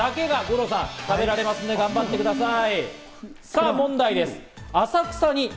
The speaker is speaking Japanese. クイズに答えた方だけが、五郎さん、食べられますんで頑張ってください。